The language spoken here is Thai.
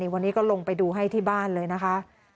วันนี้ก็ลงไปดูให้ที่บ้านเลยนะคะ